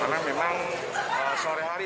karena memang sore hari